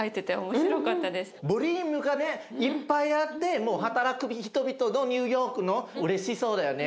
ボリュームがねいっぱいあってもう働く人々のニューヨークのうれしそうだよね